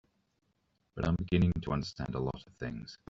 But I'm beginning to understand a lot of things.